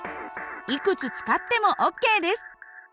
いくつ使ってもＯＫです。